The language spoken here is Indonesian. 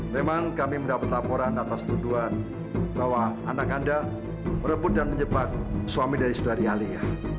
memang kami mendapat laporan atas tuduhan bahwa anak anda merebut dan menjebak suami dari saudari ali